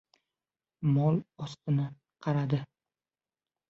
Mol ostini qaradi.